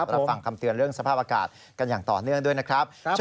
รับฟังคำเตือนเรื่องสภาพอากาศกันอย่างต่อเนื่องด้วยนะครับ